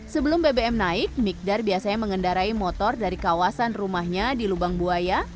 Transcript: sebelum bbm naik mikdar biasanya mengendarai motor dari kawasan rumahnya di lubang buaya